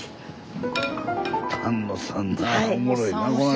丹野さんなおもろいなこの人。